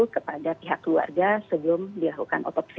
kepada pihak keluarga sebelum dilakukan otopsi